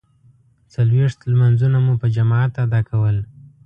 څلویښت لمانځونه مو په جماعت ادا کول.